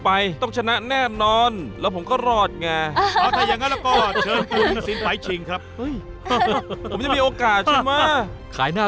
ให้ฉันถือเข้าไปใช่ไหมชั้นคิดว่าถูกเลือกแล้วนะ